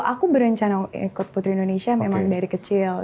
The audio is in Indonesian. aku berencana ikut putri indonesia memang dari kecil